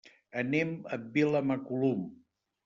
Anem a Vilamacolum.